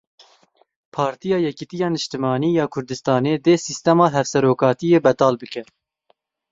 Partiya Yekitiya Niştimanî ya Kurdistanê dê sîstema hevserokatiyê betal bike.